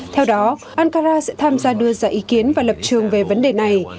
theo đó ankara sẽ tham gia đưa ra ý kiến và lập trường về vấn đề này